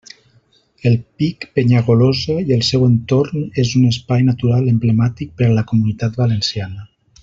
El pic Penyagolosa i el seu entorn és un espai natural emblemàtic per a la Comunitat Valenciana.